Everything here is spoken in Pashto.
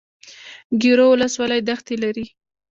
ګیرو ولسوالۍ دښتې لري؟